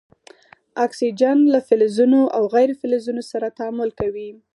اکسیجن له فلزونو او غیر فلزونو سره تعامل کوي.